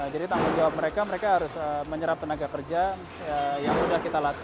jadi tanggung jawab mereka mereka harus menyerap tenaga kerja yang sudah kita latih